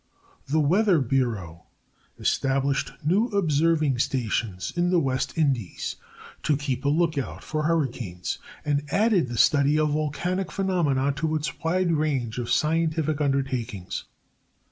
The Weather Bureau established new observing stations in the West Indies, to keep a lookout for hurricanes, and added the study of volcanic phenomena to its wide range of scientific undertakings.